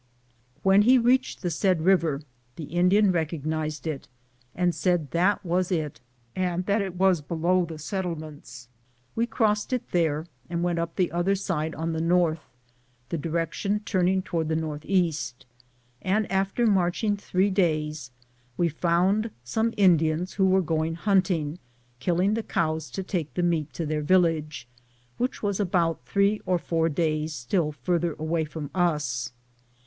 When he reached the said river, the In dian recognized it and said that was it, and that it was below the settlements. We crossed it there and went up the other side on the north, the direction turning toward the northeast, and after inarching three days we found some Indians who were going hunting, killing the cows to take the meat ligirized I:, G00gk THE JOURNEY OP CORONADO to their village, which was about three or four days still farther away from us.